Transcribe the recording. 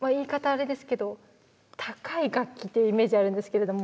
あれですけど高い楽器ってイメージあるんですけれども。